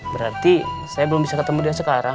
berarti saya belum bisa ketemu dengan sekarang